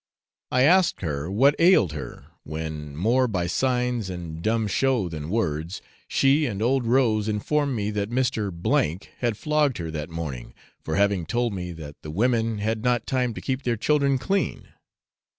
I asked her what ailed her, when, more by signs and dumb show than words, she and old Rose informed me that Mr. O had flogged her that morning, for having told me that the women had not time to keep their children clean.